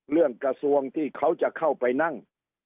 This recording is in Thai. กระทรวงที่เขาจะเข้าไปนั่ง